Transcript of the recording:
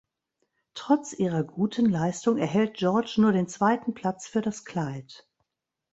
Trotz ihrer guten Leistung erhält George nur den zweiten Platz für das Kleid.